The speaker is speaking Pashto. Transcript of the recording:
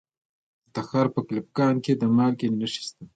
د تخار په کلفګان کې د مالګې نښې شته.